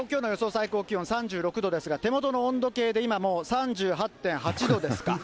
最高気温３６度ですが、手元の温度計で、今もう３８．８度ですか。